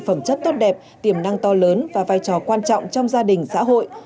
phẩm chất tốt đẹp tiềm năng to lớn và vai trò quan trọng trong gia đình xã hội